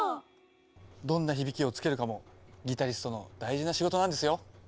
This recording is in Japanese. どんな響きをつけるかもギタリストの大事な仕事なんですよ。